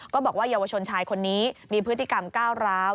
บอกว่าเยาวชนชายคนนี้มีพฤติกรรมก้าวร้าว